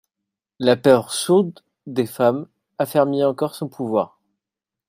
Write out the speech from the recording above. La peur sourde des femmes affermit encore son pouvoir.